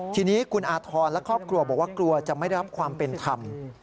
ทีนี้คุณอาธรณ์และครอบครัวบอกว่ากลัวจะไม่ได้รับความเป็นธรรม